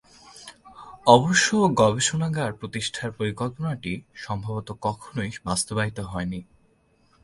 অবশ্য গবেষণাগার প্রতিষ্ঠার পরিকল্পনাটি সম্ভবত কখনওই বাস্তবায়িত হয় নি।